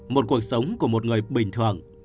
một cuộc sống của một người bình thường